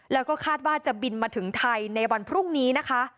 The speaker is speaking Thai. แล้วก็คาดว่าจะบินมาถึงไทยในวันพรุ่งนี้นะคะ